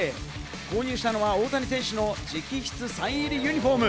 購入したのは大谷選手の直筆サイン入りユニホーム。